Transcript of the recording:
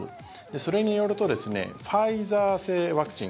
それによるとファイザー製ワクチン